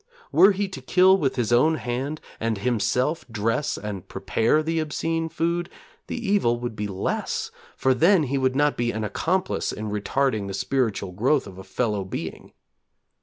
Were he to kill with his own hand, and himself dress and prepare the obscene food, the evil would be less, for then he would not be an accomplice in retarding the spiritual growth of a fellow being.